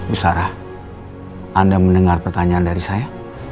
usara anda mendengar pertanyaan dari saya